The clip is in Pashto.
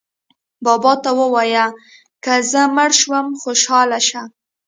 بابا ته ووایئ که زه مړه شوم خوشاله شه.